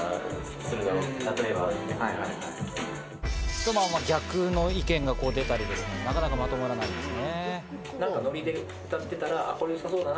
と、まぁ逆の意見が出たり、なかなかまとまらないんですね。